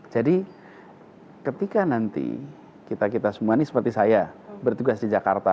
jadi ketika nanti kita kita semua ini seperti saya bertugas di jakarta